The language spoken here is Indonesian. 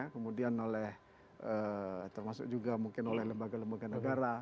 kemudian oleh termasuk juga mungkin oleh lembaga lembaga negara